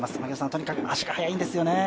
とにかく足が速いんですよね？